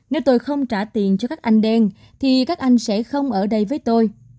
nếu tôi không trả tiền cho các anh đen thì các anh sẽ không ở đây với tôi